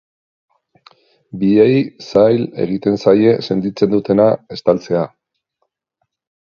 Biei zail egiten zaie sentitzen dutena estaltzea.